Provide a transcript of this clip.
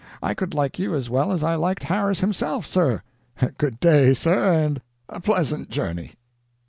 I could like you as well as I liked Harris himself, sir. Good day, sir, and a pleasant journey."